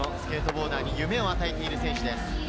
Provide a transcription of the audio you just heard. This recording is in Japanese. ボーダーに夢を与えている選手です。